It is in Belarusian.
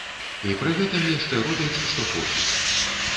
І пры гэтым яшчэ робяць, што хочуць.